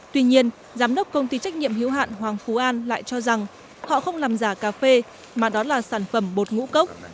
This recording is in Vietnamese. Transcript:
tuy nhiên giám đốc công ty trách nhiệm hiếu hạn hoàng phú an lại cho rằng họ không làm giả cà phê mà đó là sản phẩm bột ngũ cốc